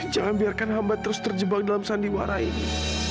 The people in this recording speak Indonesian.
jangan biarkan hamba terus terjebak dalam sandiwara ini